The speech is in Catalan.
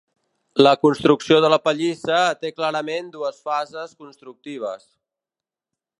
La construcció de la pallissa té clarament dues fases constructives.